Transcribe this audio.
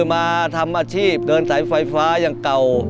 มาทำอาชีพเดินสายไฟฟ้าอย่างเก่า